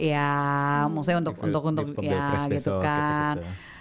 ya maksudnya untuk untuk untuk ya gitu kan